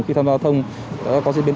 khi tham gia thông đã có diễn biến